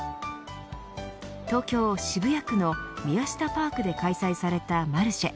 東京、渋谷区のミヤシタパークで開催されたマルシェ。